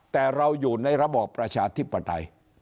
แต่เราอยู่ในระบอบประชาธิปไตย